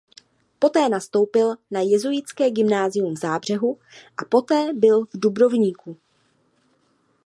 Poté nastoupil na jezuitské gymnázium v Záhřebu a poté byl v Dubrovníku.